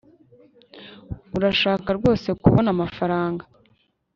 Urashaka rwose kubona amafaranga